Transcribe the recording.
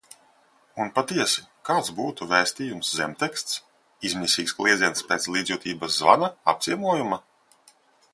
Un patiesi – kāds būtu vēstījums, zemteksts? Izmisīgs kliedziens pēc līdzjūtības zvana, apciemojuma?